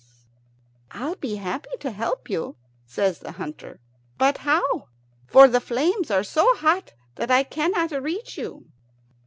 "I'll be happy to help you," says the hunter, "but how? for the flames are so hot that I cannot reach you."